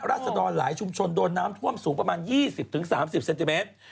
ศดรหลายชุมชนโดนน้ำท่วมสูงประมาณ๒๐๓๐เซนติเมตร